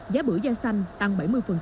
giá bữa da xanh tăng bảy mươi